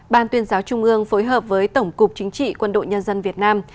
ban tuyên giáo trung ương phối hợp với tổng cục chính trị quân đội nhân dân việt nam